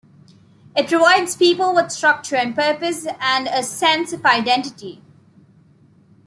It provides people with structure and purpose and a sense of identity.